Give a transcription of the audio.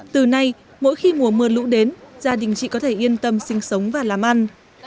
từ nay mỗi khi mùa mưa lũ đến gia đình chị có thể yên tâm sinh sống và làm ăn